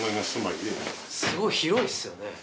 すごい広いですよね。